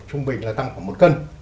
trung bình là tăng khoảng một cân